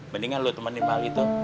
mendingan lu temenin pak itu